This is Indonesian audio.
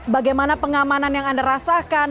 bagaimana pengamanan yang anda rasakan